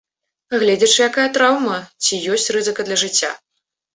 Гледзячы, якая траўма, ці ёсць рызыка для жыцця.